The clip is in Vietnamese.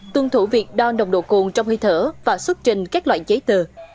tuân thủ việc đo nồng độ cồn trong hơi thở và xuất trình các loại giấy tờ